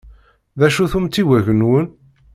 D acu-t umtiweg-nwen?